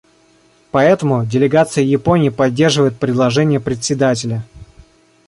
Поэтому делегация Японии поддерживает предложение Председателя.